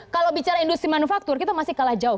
kalau bicara industri manufaktur kita masih kalah jauh